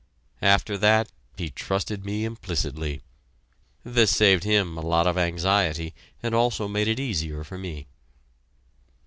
After that he trusted me implicitly. This saved him a lot of anxiety, and also made it easier for me.